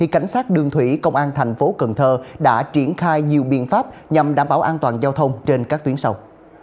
cảnh sát đường thủy công an thành phố cần thơ đã triển khai nhiều biện pháp nhằm đảm bảo an toàn giao thông trên các tuyến sông